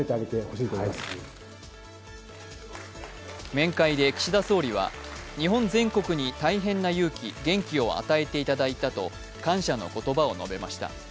面会で岸田総理は、日本全国に大変な勇気元気を与えていただいたと感謝の言葉を述べました。